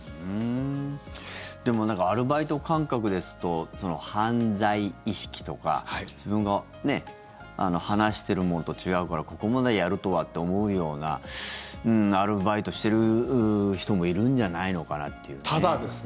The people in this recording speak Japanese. でも、なんかアルバイト感覚ですとその犯罪意識とか話してるものと違うからここまでやるとはと思うようなアルバイトしてる人もいるんじゃないのかなっていうね。